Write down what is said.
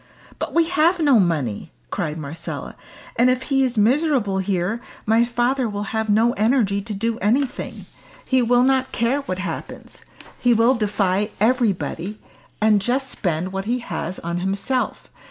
"But we have no money!" cried Marcella. "And if he is miserable here, my father will have no energy to do anything. He will not care what happens. He will defy everybody, and just spend what he has on himself.